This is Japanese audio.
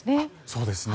そうですね。